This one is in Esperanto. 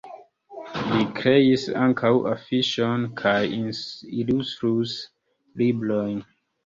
Li kreis ankaŭ afiŝojn kaj ilustris librojn.